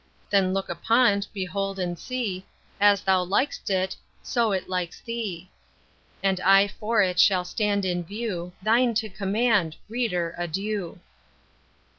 Then look upon't, behold and see, As thou lik'st it, so it likes thee. And I for it will stand in view, Thine to command, Reader, adieu.